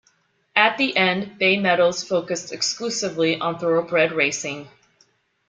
At the end, Bay Meadows focused exclusively on thoroughbred racing.